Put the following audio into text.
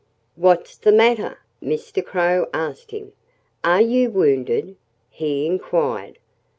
"What's the matter?" Mr. Crow asked him. "Are you wounded?" he inquired.